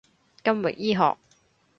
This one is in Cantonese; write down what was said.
金域醫學